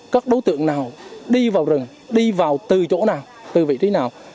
các đối tượng nào đi vào rừng đi vào từ chỗ nào từ vị trí nào